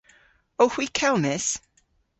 Owgh hwi kelmys?